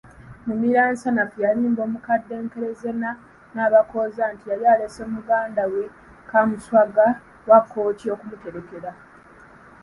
Mumiransanafu yalimba omukadde Nzereena Nabakooza nti yali aleese muganda we Kaamuswaga wa Kkooki okumumukwekera.